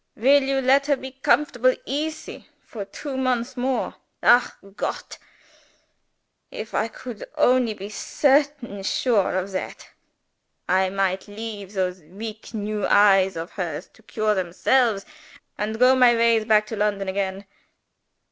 Will you let her be comfortable easy for two months more? Ach Gott! if I could only be certain sure of that, I might leave those weak new eyes of hers to cure themselves, and go my ways back to London again."